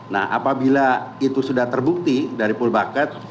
nah apabila itu sudah terbukti dari poolbakat